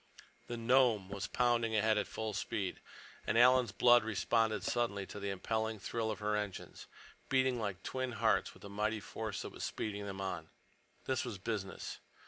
The Nome was pounding ahead at full speed, and Alan's blood responded suddenly to the impelling thrill of her engines, beating like twin hearts with the mighty force that was speeding them on. This was business.